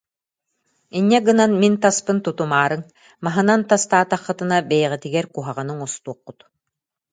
Инньэ гынан мин таспын тутумаарыҥ, маһынан тастаатаххытына бэйэҕитигэр куһаҕаны оҥостуоххут»